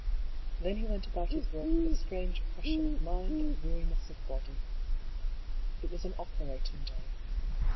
Then he went about his work with a strange oppres sion of mind and weariness of body. It was an operat ing day.